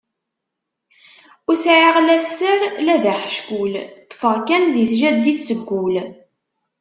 Ur sɛiɣ la sser la d aḥeckul, ṭfeɣ kan di tjaddit seg wul.